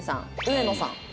「植野さん」。